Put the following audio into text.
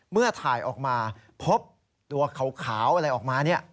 เมื่อถ่ายออกมาพบตัวขาวอะไรออกมา